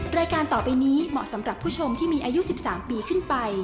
รายการต่อไปนี้เหมาะสำหรับผู้ชมที่มีอายุ๑๓ปีขึ้นไป